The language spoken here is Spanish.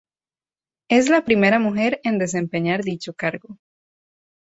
Es la primera mujer en desempeñar dicho cargo.